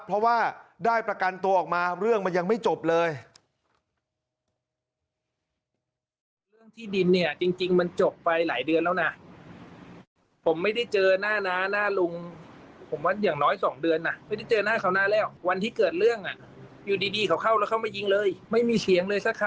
เพราะว่าได้ประกันตัวออกมาเรื่องมันยังไม่จบเลย